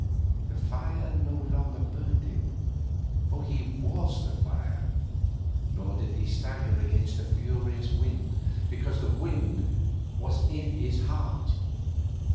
The fire no longer burned him, for he was the fire; nor did he stagger against the furious wind, because the wind was in his heart.